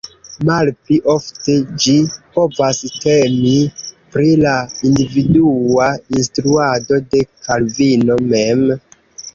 Malpli ofte, ĝi povas temi pri la individua instruado de Kalvino mem.